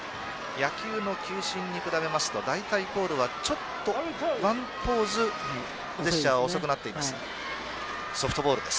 野球の球審に比べますと大体、コールはちょっとワンポーズジェスチャーが遅くなっていますソフトボールです。